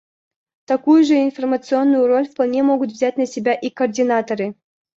Такую же информационную роль вполне могут взять на себя и координаторы.